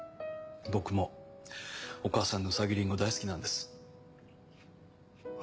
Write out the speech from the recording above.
僕もお義母さんのうさぎリンゴ大好きなんです。